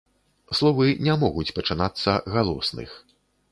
Словы не могуць пачынацца галосных.